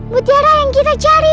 mutiara yang kita cari